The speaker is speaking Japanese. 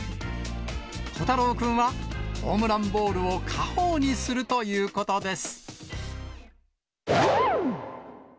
虎太郎君は、ホームランボールを家宝にするということです。